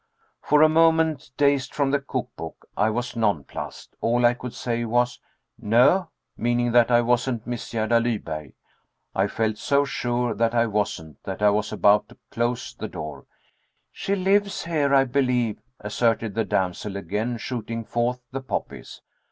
For a moment, dazed from the cook book, I was nonplussed. All I could say was "No," meaning that I wasn't Miss Gerda Lyberg. I felt so sure that I wasn't that I was about to close the door. "She lives here, I believe," asserted the damsel, again shooting forth the poppies.